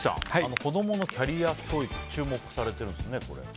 子供のキャリアアップが注目されているんですね。